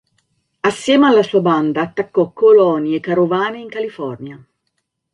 Assieme alla sua banda attaccò coloni e carovane in California.